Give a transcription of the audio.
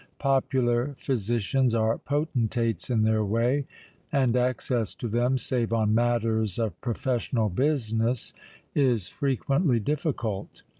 Popular physicians are potentates in their way, and access to them, save on matters of professional business, is frequently difficult.